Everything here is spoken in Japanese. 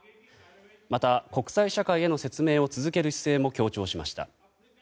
また、国際社会への説明を続ける姿勢も強調しました。